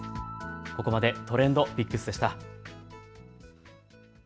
ここまでＴｒｅｎｄＰｉｃｋｓでした。